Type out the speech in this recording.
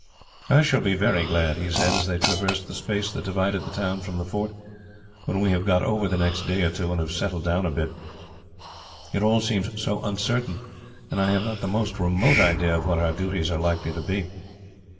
"I shall be very glad," he said, as they traversed the space that divided the town from the fort, "when we have got over the next day or two, and have settled down a bit. It all seems so uncertain, and I have not the most remote idea of what our duties are likely to be.